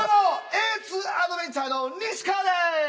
Ａ２アドベンチャーの西川でーす！